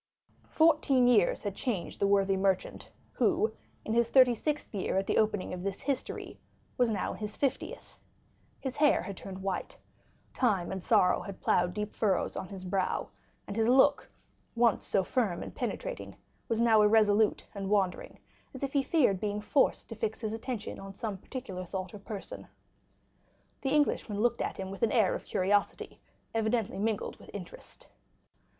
Fourteen years had changed the worthy merchant, who, in his thirty sixth year at the opening of this history, was now in his fiftieth; his hair had turned white, time and sorrow had ploughed deep furrows on his brow, and his look, once so firm and penetrating, was now irresolute and wandering, as if he feared being forced to fix his attention on some particular thought or person. The Englishman looked at him with an air of curiosity, evidently mingled with interest.